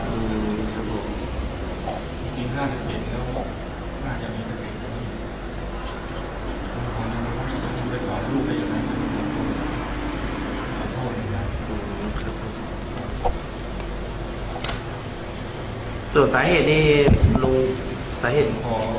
หลุมครับครับส่วนสาเหตุเนี่ยลูกสาเหตุ